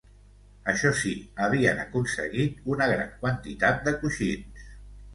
Això sí, havien aconseguit una gran quantitat de coixins.